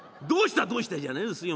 「どうしたじゃねえんすよ。